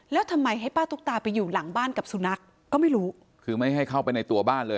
แล้วทำไมให้ป้าตุ๊กตาไปอยู่หลังบ้านกับสุนัขก็ไม่รู้คือไม่ให้เข้าไปในตัวบ้านเลย